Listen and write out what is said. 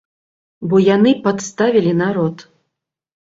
Бо яны падставілі народ.